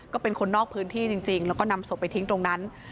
ก็เป็นคนนอกพื้นที่จริงแล้วก็นำศพไปทิ้งตรงนั้น